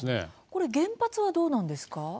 これ原発はどうなんですか？